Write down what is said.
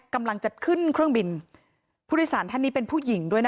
กำลังจะขึ้นเครื่องบินผู้โดยสารท่านนี้เป็นผู้หญิงด้วยนะ